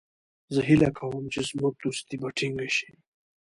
زه هیله کوم چې زموږ دوستي به ټینګه شي.